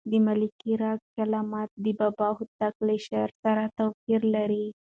د ملکیار کلمات د بابا هوتک له شعر سره توپیر لري.